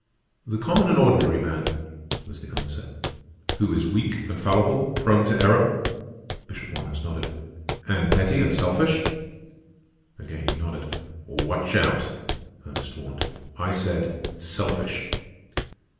"The common and ordinary man," was the answer. "Who is weak and fallible, prone to error?" Bishop Morehouse nodded. "And petty and selfish?" Again he nodded. "Watch out!" Ernest warned. "I said 'selfish.